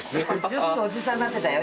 ちょっとおじさんになってたよ